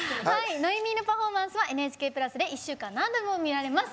≠ＭＥのパフォーマンスは「ＮＨＫプラス」で１週間、何度でも見られます。